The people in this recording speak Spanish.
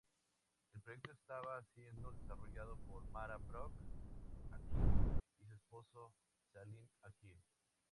El proyecto estaba siendo desarrollado por Mara Brock Akil y su esposo, Salim Akil.